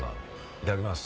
いただきます